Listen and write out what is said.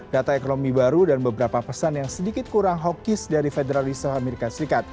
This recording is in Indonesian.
data ekonomi baru dan beberapa pesan yang sedikit kurang hokis dari federal reserve as